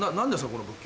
この物件。